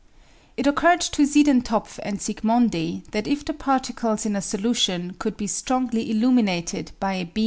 It occurred to Siedentopf and Zsigmondy that if the par ticles in a solution could be strongly illumined by a beam coming Phou: J.